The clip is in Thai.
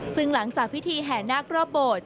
ซึ่งหลังจากพิธีแหหนาทรอบบท